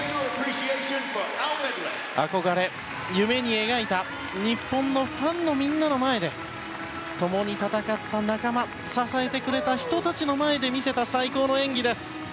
憧れ、夢に描いた日本のファンのみんなの前で共に戦った仲間支えてくれた人たちの前で見せた最高の演技です。